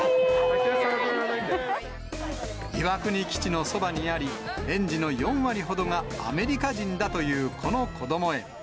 岩国基地のそばにあり、園児の４割ほどがアメリカ人だというこのこども園。